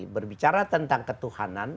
berbicara tentang ketuhanan